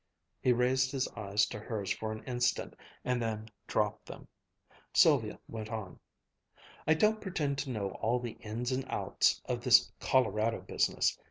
He raised his eyes to hers for an instant and then dropped them. Sylvia went on. "I don't pretend to know all the ins and outs of this Colorado business.